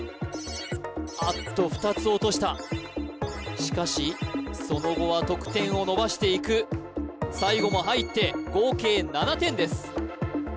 あっと２つ落としたしかしその後は得点を伸ばしていく最後も入って合計７点です